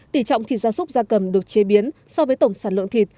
tỷ trọng thịt gia súc gia cầm được chế biến so với tổng sản lượng thịt